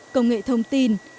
công nghệ thông tin